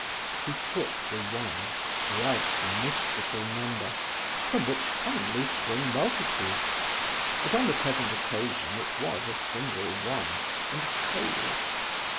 He took the one love's mystical number from which commonly spring multitudes; but, on the present occasion, it was a single one, and cold.